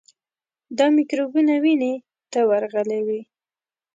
دا میکروبونه وینې ته ورغلي وي.